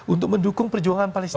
untuk mendukung perjuangan palestina